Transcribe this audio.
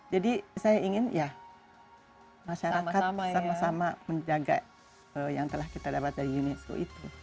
jadi saya ingin ya masyarakat sama sama menjaga yang telah kita dapat dari unesco itu